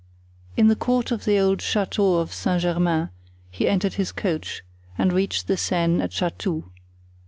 In the court of the old Chateau of Saint Germain he entered his coach, and reached the Seine at Chatou.